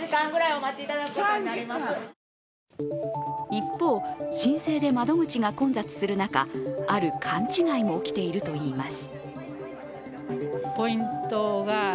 一方、申請で窓口が混雑する中、ある勘違いも起きているといいます。